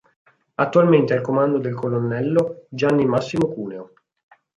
Attualmente al comando del colonnello Gianni Massimo Cuneo.